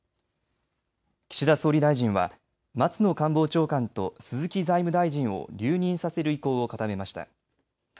岸田総理大臣は松野官房長官と鈴木財務大臣を留任させる意向を固めました。